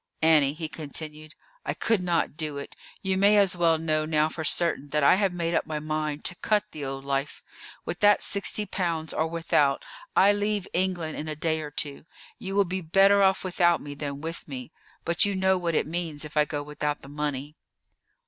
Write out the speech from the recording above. "Annie," he continued, "I could not do it; you may as well know now for certain that I have made up my mind to cut the old life. With that sixty pounds, or without, I leave England in a day or two. You will be better off without me than with me, but you know what it means if I go without the money."